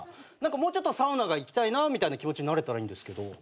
もうちょっとサウナ行きたいなみたいな気持ちになれたらいいんですけど。